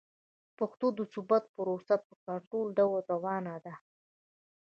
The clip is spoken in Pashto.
د پښتو د ثبت پروسه په ګټور ډول روانه ده.